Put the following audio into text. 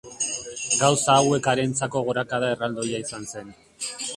Gauza hauek harentzako gorakada erraldoia izan zen.